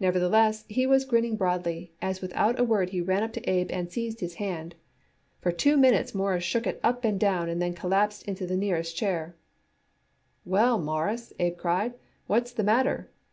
Nevertheless he was grinning broadly, as without a word he ran up to Abe and seized his hand. For two minutes Morris shook it up and down and then he collapsed into the nearest chair. "Well, Mawruss," Abe cried, "what's the matter?